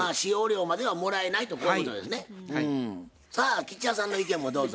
さあ吉弥さんの意見もどうぞ。